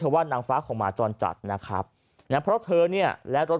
ว่านางฟ้าของหมาจรจัดนะครับนะเพราะเธอเนี่ยและรถ